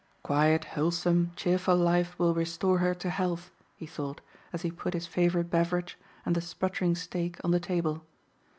"Quiet, wholesome, cheerful life will restore her to health," he thought, as he put his favorite beverage and the sputtering steak on the table.